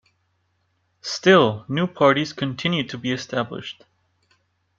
Still, new parties continued to be established.